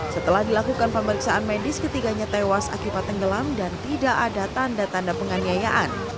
setelah dilakukan pemeriksaan medis ketiganya tewas akibat tenggelam dan tidak ada tanda tanda penganiayaan